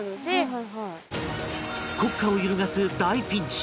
国家を揺るがす大ピンチ！